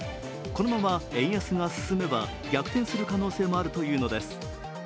このまま円安が進めば逆転する可能性もあるというのです。